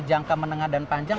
jangka menengah dan panjang